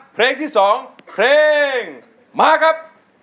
เพลงที่๒เพลงมาครับ